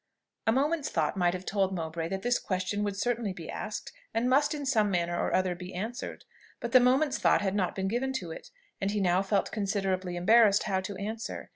A moment's thought might have told Mowbray that this question would certainly be asked, and must in some manner or other be answered; but the moment's thought had not been given to it, and he now felt considerably embarrassed how to answer.